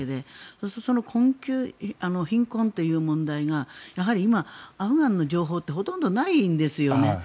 そうすると貧困という問題がやはり今、アフガンの情報ってほとんどないんですよね。